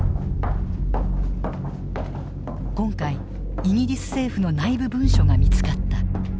今回イギリス政府の内部文書が見つかった。